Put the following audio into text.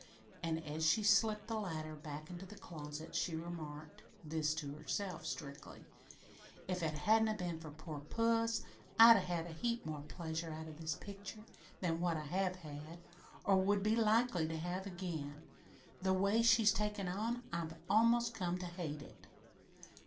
And as she slipped the ladder back into the closet, she remarked this to herself, strictly: "If it hadn't 'a' been for poor puss, I'd 'a' had a heap more pleasure out o' this picture than what I have had or will be likely to have again. The way she's taken on, I've almost come to hate it!"